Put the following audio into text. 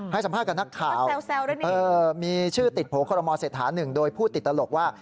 ให้สัมภาษณ์กับนักข่าวมีชื่อติดโผล่คอรมอเศรษฐาหนึ่งโดยพูดติดตลกว่า